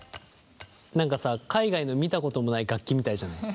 何かさ海外の見たこともない楽器みたいじゃない。